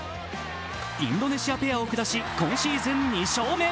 インドネシアペアを下し、今シーズン２勝目。